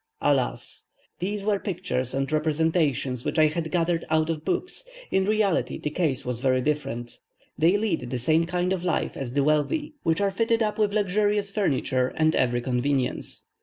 Alas! these were pictures and representations which I had gathered out of books; in reality the case was very different. They lead the same kind of life as the wealthy: they have handsome dwellings, which are fitted up with luxurious furniture, and every convenience.